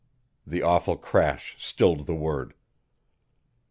The awful crash stilled the word.